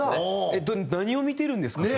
えっ何を見てるんですか？